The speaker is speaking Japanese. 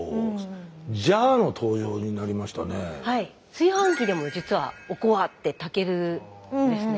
炊飯器でも実はおこわって炊けるんですね。